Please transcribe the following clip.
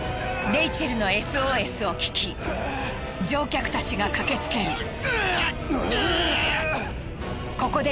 レイチェルのＳＯＳを聞き乗客たちが駆けつける。